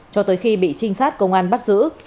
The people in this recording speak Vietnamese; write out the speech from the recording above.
cho tới khi bị trinh sát công an bắt giữ